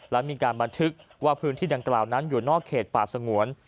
และมีการบันทึกว่าพื้นที่ดังกล่าวนั้นอยู่นอกเขตป่าสงวน